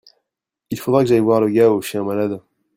Il faudra que j'aille voir le gars au chien malade.